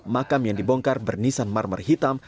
makam yang dibongkar bernisan marmer hitam